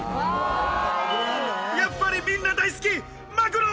やっぱりみんな大好きマグロ！